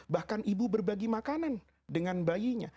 bahkan ibu berbagi makanan dengan bayinya